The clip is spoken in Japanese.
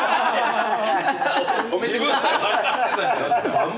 止めてください。